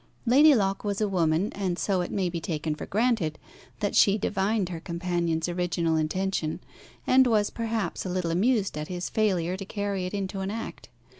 Lady Locke was a woman, and so it may be taken for granted that she divined her companion's original intention, and was perhaps a little amused at his failure to carry it into an act.